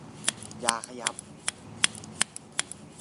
อย่าขยับ